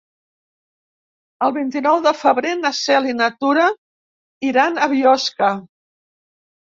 El vint-i-nou de febrer na Cel i na Tura iran a Biosca.